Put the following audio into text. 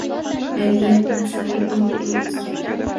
Hayriyat tasalli bo‘ldi bu bizga.